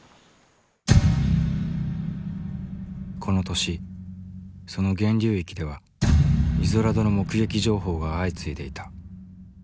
この年その源流域ではイゾラドの目撃情報が相次いでいた。